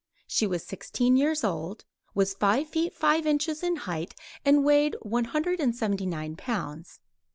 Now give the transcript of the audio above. She was sixteen years old, was five feet five inches in height and weighed one hundred and seventy nine pounds.